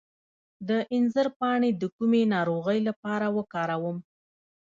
د انځر پاڼې د کومې ناروغۍ لپاره وکاروم؟